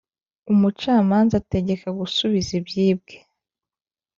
umucamanza ategeka gusubiza ibyibwe.